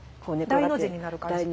大の字になる感じ？